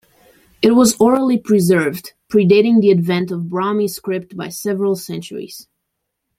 It was orally preserved, predating the advent of Brahmi script by several centuries.